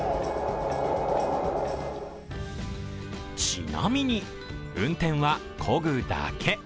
ちなみに、運転はこぐだけ。